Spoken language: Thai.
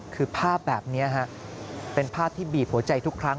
คือภาพแบบนี้เป็นภาพที่บีบหัวใจทุกครั้ง